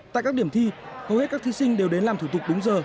tại các điểm thi hầu hết các thí sinh đều đến làm thủ tục đúng giờ